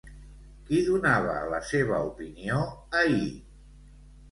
Qui donava la seva opinió ahir?